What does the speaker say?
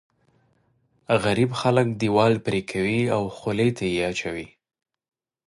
غريب خلک دیوال پرې کوي او خولې ته یې اچوي.